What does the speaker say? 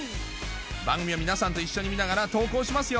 番組を皆さんと一緒に見ながら投稿しますよ